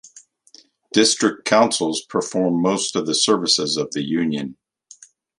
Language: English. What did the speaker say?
District councils perform most of the services of the union.